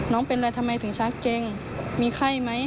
เป็นอะไรทำไมถึงชักเกงมีไข้ไหม